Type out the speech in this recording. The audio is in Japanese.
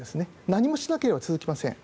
何もしなければ続きません。